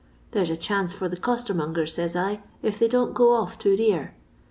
There 's a chance for the costermongers, says I, if they don't go off too dear.